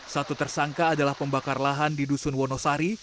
satu tersangka adalah pembakar lahan di dusun wonosari